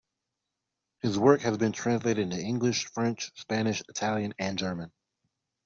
His work has been translated into English, French, Spanish, Italian and German.